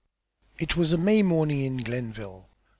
It was a May morning in Glenville.